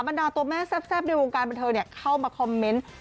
ดาตัวแม่แซ่บในวงการบันเทิงเข้ามาคอมเมนต์